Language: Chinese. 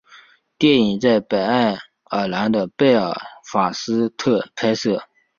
电影在北爱尔兰的贝尔法斯特拍摄。